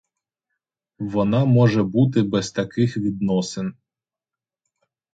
Вона може бути без таких відносин.